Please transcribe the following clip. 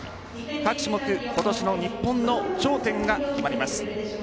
各種目今年の日本の頂点が決まります。